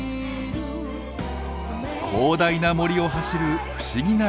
広大な森を走る不思議な列車。